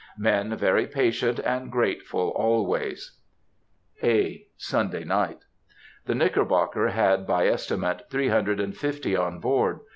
Men very patient and grateful always. (A.) Sunday Night.—The Knickerbocker had, by estimate, three hundred and fifty on board.